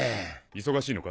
忙しいのか？